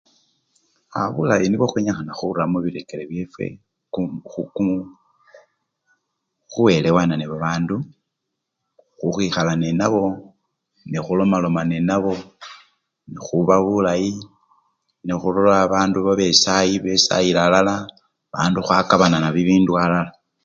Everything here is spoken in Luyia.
Aaa bulayi nibwo khwenyikhana khura mubirekeri byefwe khuwelewana nebabandu, khukhwikhala nenabo nekhulomaloma nenabo, nekhuba bulayi nekhuli bandu babesayi khwesayila alala, bandu khwakabanana bibindu alala.